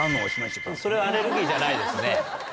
それはアレルギーじゃないですね。